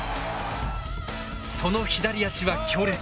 その左足は強烈。